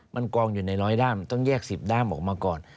มันกองอยู่ในร้อยด้ามต้องแยก๑๐ด้ามออกมาก่อน